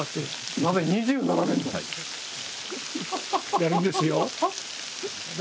やるんですよ。